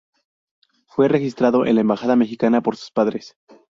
Fue registrado en la embajada mexicana por sus padres.